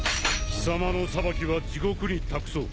貴様の裁きは地獄に託そう。